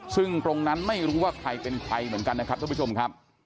ซึ่งตรงนั้นไม่รู้ว่าใครเป็นใครเหมือนกันนะครับทุกผู้ชมครับ